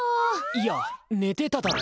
いや寝てただろ！